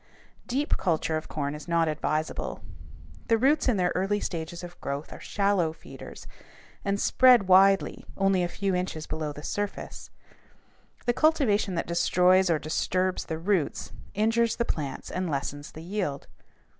Deep culture of corn is not advisable. The roots in their early stages of growth are shallow feeders and spread widely only a few inches below the surface. The cultivation that destroys or disturbs the roots injures the plants and lessens the yield.